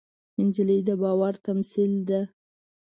نجلۍ د باور تمثیل ده.